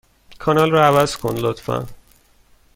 کانال را عوض کن، لطفا.